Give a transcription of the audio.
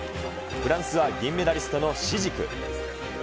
フランスは銀メダリストのシジク。